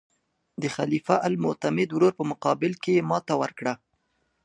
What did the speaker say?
د خلیفه المعتمد ورور په مقابل کې یې ماته وکړه.